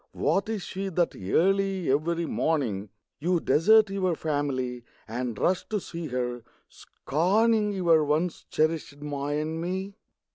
What is she That early every morning You desert your family And rush to see her, scorning Your once cherished ma and me?